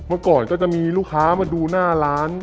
เมื่อก่อนก็จะมีลูกค้ามาดูหน้าร้าน